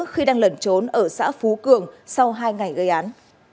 khi đang lẩn trốn ở xã phú cường sau hai ngày gây án